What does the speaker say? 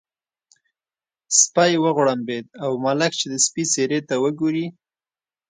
سپی وغړمبېد او ملک چې د سپي څېرې ته وګوري.